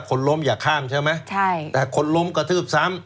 ขนรมอย่างข้ามใช่ไหมแต่ขนรมกระทืบซ้ำ